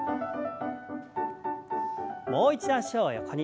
もう一度脚を横に。